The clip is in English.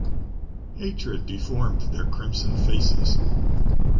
Hatred deformed their crimson faces.